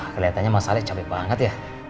keliatannya mas ali capek banget ya